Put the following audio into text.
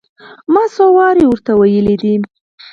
ما څو واره ور ته ويلي دي.